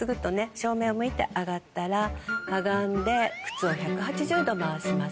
正面を向いて上がったらかがんで靴を１８０度回します。